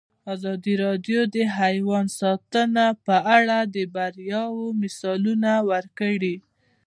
ازادي راډیو د حیوان ساتنه په اړه د بریاوو مثالونه ورکړي.